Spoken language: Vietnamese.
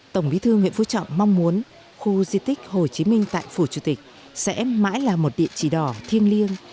tổng bí thư nguyễn phú trọng mong muốn khu di tích hồ chí minh tại phủ chủ tịch sẽ mãi là một địa chỉ đỏ thiêng liêng